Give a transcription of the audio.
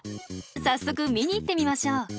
早速見に行ってみましょう。